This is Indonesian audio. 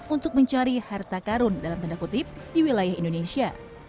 untuk mencari harta karun dalam tanda kutip di wilayah indonesia